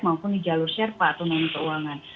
maupun di jalur sherpa atau menu keuangan